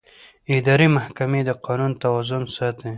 اداري محکمې د قانون توازن ساتي.